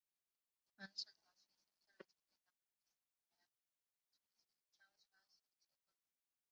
装饰陶器显示了经典的波斯园林垂直交叉式结构。